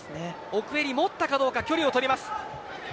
奥襟持ったかどうか距離をとります。